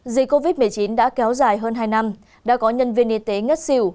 dịch covid một mươi chín đã kéo dài hơn hai năm đã có nhân viên y tế ngất xỉu